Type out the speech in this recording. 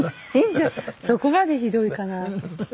そこまでひどいかな？